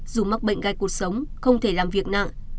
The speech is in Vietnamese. dù mắc bệnh gai cuộc sống không thể làm việc nặng